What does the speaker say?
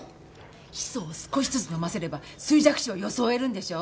ヒ素を少しずつ飲ませれば衰弱死を装えるんでしょ？